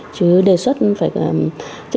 chứ đề xuất phải một số tuyến